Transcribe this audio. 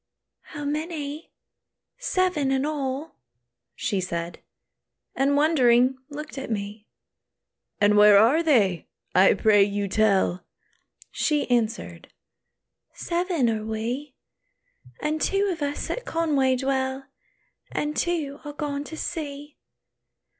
"How many? Seven in all," she said, And wondering looked at me. "And where are they? I pray you tell." She answered, "Seven are we; And two of us at Conway dwell, And two are gone to sea.